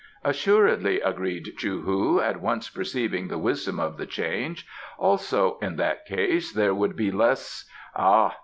"Assuredly," agreed Chou hu, at once perceiving the wisdom of the change; "also, in that case, there would be less " "Ah!"